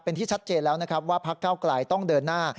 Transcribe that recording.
เป็นที่ชัดเจนแล้วนะครับว่าพักเก้าไกลต้องเดินหน้า